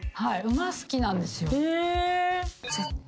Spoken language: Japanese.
馬好きなんですよ。